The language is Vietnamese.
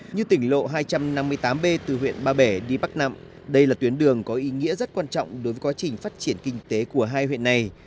như tỉnh lộ hai trăm năm mươi tám b từ huyện ba bể đi bắc nậm đây là tuyến đường có ý nghĩa rất quan trọng đối với quá trình phát triển kinh tế của hai huyện này